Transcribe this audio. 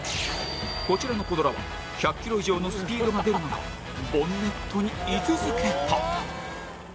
こちらのコ・ドラは１００ｋｍ以上のスピードが出る中ボンネットに居続けた。